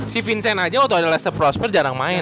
si vincent aja waktu ada laser prosper jarang main